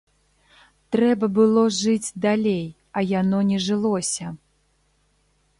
Трэба было жыць далей, а яно не жылося.